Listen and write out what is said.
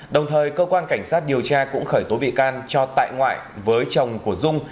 đồng thời cơ quan cảnh sát điều tra cũng khởi tố bị can cho tại ngoại với chồng của dung